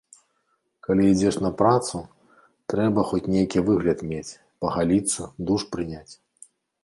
Калі ідзеш на працу, трэба хоць нейкі выгляд мець, пагаліцца, душ прыняць.